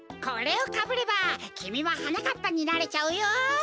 これをかぶればきみもはなかっぱになれちゃうよ！